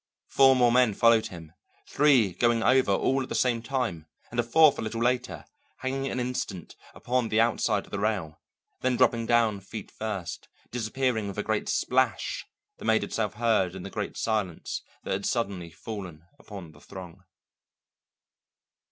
Four more men followed him, three going over all at the same time, and a fourth a little later, hanging an instant upon the outside of the rail, then dropping down feet first, disappearing with a great splash that made itself heard in the great silence that had suddenly fallen upon the throng.